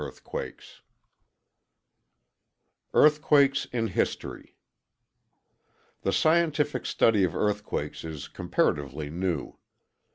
_] Earthquakes in History The scientific study of earthquakes is comparatively new.